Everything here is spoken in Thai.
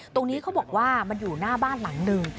ตรงนี้เขาบอกว่ามันอยู่หน้าบ้านหลังหนึ่ง